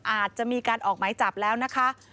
อาจจะมีการออกหมายจับแล้วนะคะ